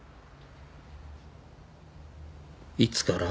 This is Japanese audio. いつから？